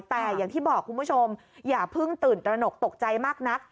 แต่อย่างที่บอกคุณผู้ชมอย่าเพิ่งตื่นตระหนกตกใจมากนัก